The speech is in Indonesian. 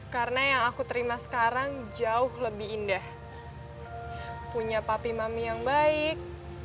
karena yang aku terima sekarang jauh lebih indah punya papi mami yang baik